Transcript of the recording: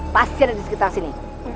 pasti ada di sekitar sini